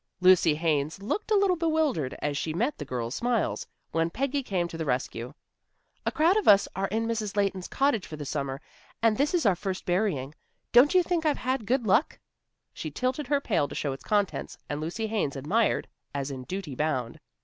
Lucy Haines looked a little bewildered as she met the girls' smiles, when Peggy came to the rescue. "A crowd of us are in Mrs. Leighton's cottage for the summer, and this is our first berrying. Don't you think I've had good luck?" She tilted her pail to show its contents, and Lucy Haines admired as in duty bound.